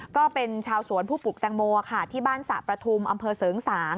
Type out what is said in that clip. ก็เป็นชาวสวนผู้ปลูกแตงโมค่ะที่บ้านสระประทุมอศษภาค